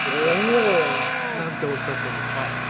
おぉ何ておっしゃったんですか？